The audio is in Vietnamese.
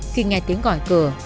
khi nghe tiếng gọi cửa